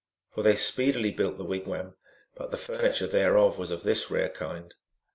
For they speedily built the wigwam, but the furni ture thereof was of this rare kind.